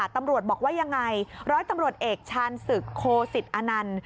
ตำรวจบอกว่ายังไงร้อยตำรวจเอกชาญศึกโคสิตอนันต์